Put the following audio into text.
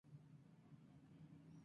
Sus padres son divorciados.